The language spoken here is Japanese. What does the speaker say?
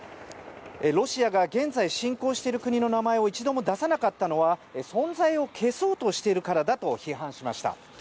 ロシアが現在侵攻している国の名前を一度も出さなかったのは存在を消そうとしているからだと批判しました。